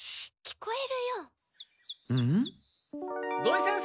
土井先生！